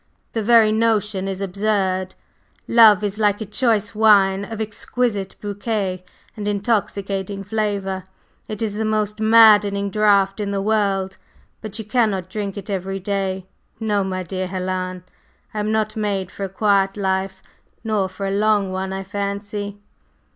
The very notion is absurd. Love is like a choice wine of exquisite bouquet and intoxicating flavor; it is the most maddening draught in the world, but you cannot drink it every day. No, my dear Helen; I am not made for a quiet life, nor for a long one, I fancy."